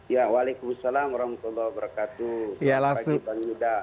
waalaikumsalam warahmatullahi wabarakatuh selamat pagi bang huda